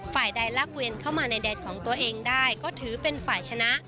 ฝ่ายใดลากเวียนเข้ามาในแดนของตัวเองได้ก็ถือเป็นฝ่ายชนะ